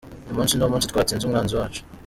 uyu munsi niwo munsi twatsinze umwanzi wacu.